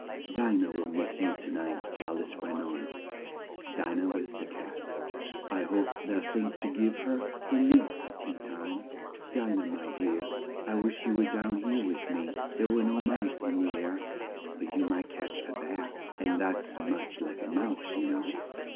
"Di nah will miss me to night," Al ice went on. (Di nah was the cat.) "I hope they'll think to give her her milk at tea time. Di nah, my dear! I wish you were down here with me! There are no mice in the air, but you might catch a bat, and that's much like a mouse, you know.